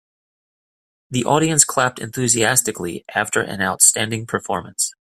The audience clapped enthusiastically after an outstanding performance.